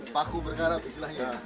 paku berkarat istilahnya